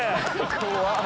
怖っ。